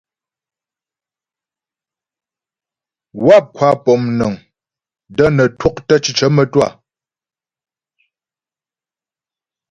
Wáp kwa pɔmnəŋ də́ nə twɔktə́ cicə mə́twâ.